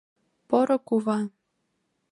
Поро кува...